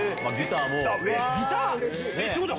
ギターも。